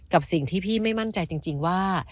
กับสิ่งที่พี่ไม่มั่นใจจริงว่า